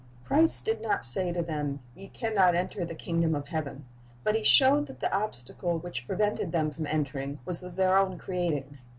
Christ did not say to them. Ye can not enter the kingdom of heaven ; but He showed that the obstacle which prevented them from entering was of their own creating.